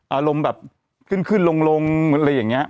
อารมณ์แบบขึ้นขึ้นลงอะไรอย่างนี้